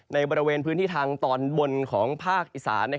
ในบริเวณพื้นที่ทางตอนบนของภาคอีสาน